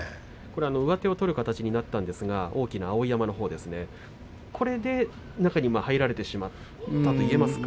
上手を取る形になったんですが、大きな碧山のほうですねこれで中に入られてしまったといえますか？